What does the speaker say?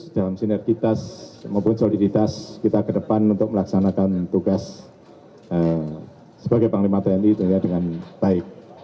dalam sinergitas maupun soliditas kita ke depan untuk melaksanakan tugas sebagai panglima tni dengan baik